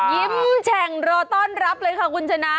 แฉ่งรอต้อนรับเลยค่ะคุณชนะ